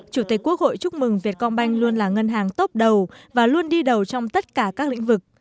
chủ tịch quốc hội chúc mừng việt công banh luôn là ngân hàng tốt đầu và luôn đi đầu trong tất cả các lĩnh vực